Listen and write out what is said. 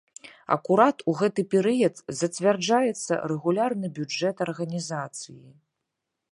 Акурат у гэты перыяд зацвярджаецца рэгулярны бюджэт арганізацыі.